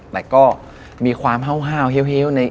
แต่ก็มีความห้าวเฮ้ว